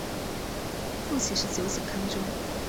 父亲是酒井康忠。